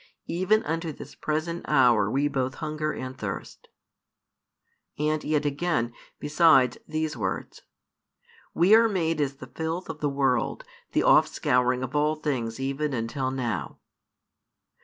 Even unto this present hour we both hunger and thirst; and yet again, besides, these words: We are made as the filth of the world, the offscouring of all things even until now.